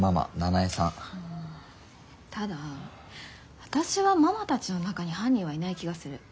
ただ私はママたちの中に犯人はいない気がする。